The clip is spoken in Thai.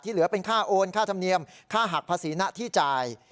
เหลือเป็นค่าโอนค่าธรรมเนียมค่าหักภาษีหน้าที่จ่าย